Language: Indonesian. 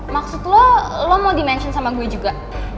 maksud lo lo mau di mention sama gue juga